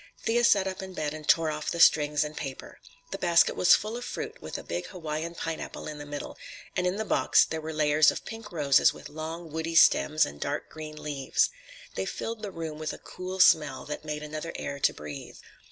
Thea sat up in bed and tore off the strings and paper. The basket was full of fruit, with a big Hawaiian pineapple in the middle, and in the box there were layers of pink roses with long, woody stems and dark green leaves. They filled the room with a cool smell that made another air to breathe.